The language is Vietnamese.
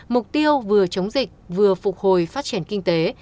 mục tiêu vừa chống dịch vừa phục hồi phát triển kinh tế